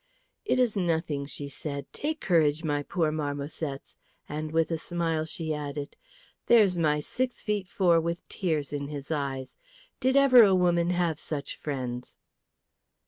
"It is nothing," she said. "Take courage, my poor marmosets;" and with a smile she added, "There's my six feet four with the tears in his eyes. Did ever a woman have such friends?"